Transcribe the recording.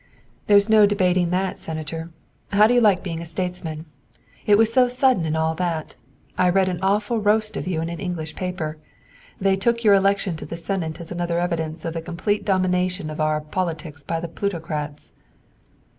"There is no debating that, Senator. How do you like being a statesman? It was so sudden and all that. I read an awful roast of you in an English paper. They took your election to the Senate as another evidence of the complete domination of our politics by the plutocrats."